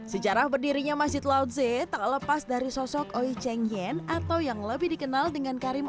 sejarah berdirinya masjid lao tse tak lepas dari sosok oe cheng yen atau yang lebih dikenal dengan karim oe